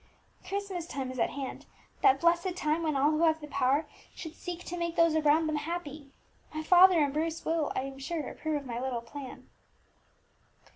"Christmas time is at hand, that blessed time when all who have the power should seek to make those around them happy. My father and Bruce will, I am sure, approve of my little plan."